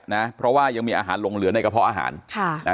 นะเพราะว่ายังมีอาหารหลงเหลือในกระเพาะอาหารค่ะนะฮะ